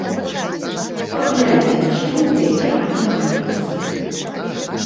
Паглядзім, што ў яе атрымаецца.